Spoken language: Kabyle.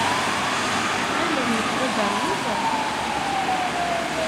Tɣileḍ nekk d adaṛwiḍ?